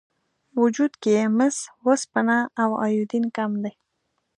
وجود کې یې مس، وسپنه او ایودین کم دي.